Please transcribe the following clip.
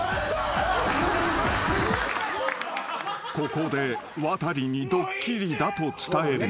［ここでワタリにドッキリだと伝える］